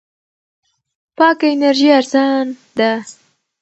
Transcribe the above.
پاکه انرژي ارزان ده.